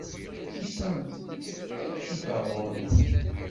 Usant-d akkit ar ɣur-i!